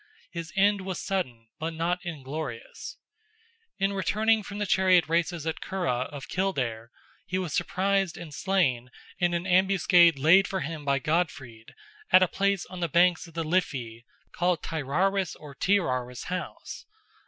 His end was sudden, but not inglorious. In returning from the chariot races at the Curragh of Kildare, he was surprised and slain in an ambuscade laid for him by Godfrid at a place on the banks of the Liffey called Tyraris or Teeraris house.